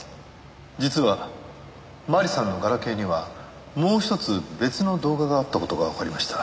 実は麻里さんのガラケーにはもう１つ別の動画があった事がわかりました。